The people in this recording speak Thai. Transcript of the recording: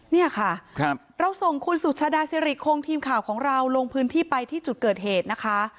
เนี่ยค่ะเราส่งคุณสุชาดาสิริคงทีมข่าวของเราลงพื้นที่ไปที่จุดเกิดเหตุนะคะ